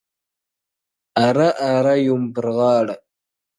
o اره، اره، يوم پر غاړه٫